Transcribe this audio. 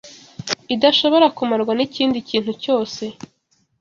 idashobora kumarwa n’ikindi kintu cyose